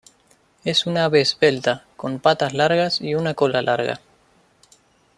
Es un ave esbelta con patas largas y una cola larga.